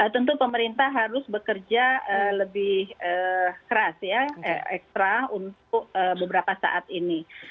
tentu pemerintah harus bekerja lebih keras ya ekstra untuk beberapa saat ini